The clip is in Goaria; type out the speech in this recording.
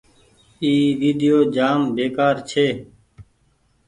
اي ويڊيو جآم بيڪآر ڇي۔